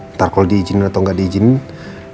ntar kalo di izinin atau gak di izinin